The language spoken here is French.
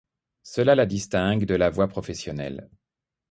Cela la distingue de la voie professionnelle.